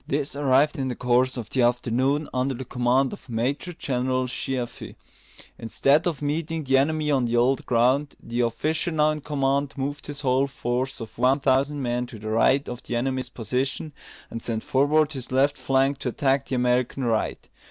This arrived in the course of the afternoon, under the command of Major General Sheaffe. Instead of meeting the enemy on the old ground, the officer now in command moved his whole force of one thousand men to the right of the enemy's position, and sent forward his left flank to attack the American right.